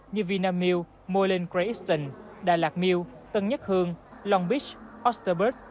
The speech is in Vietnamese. như vinamilk moreland crayston đà lạt mill tân nhất hương long beach osterberg